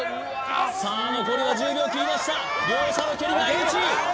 さあ残りは１０秒を切りました両者の蹴り相打ち！